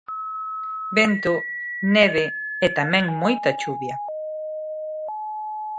Vento, neve e tamén moita chuvia.